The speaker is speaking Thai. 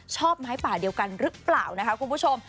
ไม้ป่าเดียวกันหรือเปล่านะคะคุณผู้ชม